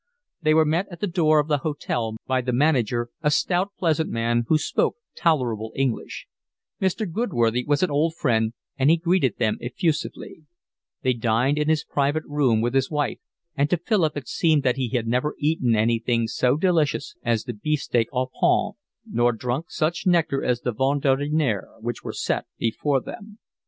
They were met at the door of the hotel by the manager, a stout, pleasant man, who spoke tolerable English; Mr. Goodworthy was an old friend and he greeted them effusively; they dined in his private room with his wife, and to Philip it seemed that he had never eaten anything so delicious as the beefsteak aux pommes, nor drunk such nectar as the vin ordinaire, which were set before them.